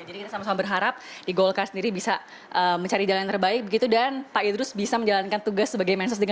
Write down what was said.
kita sama sama berharap di golkar sendiri bisa mencari jalan yang terbaik begitu dan pak idrus bisa menjalankan tugas sebagai mensos dengan